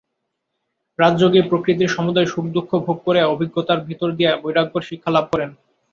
রাজযোগী প্রকৃতির সমুদয় সুখদুঃখ ভোগ করিয়া অভিজ্ঞতার ভিতর দিয়া বৈরাগ্যের শিক্ষা লাভ করেন।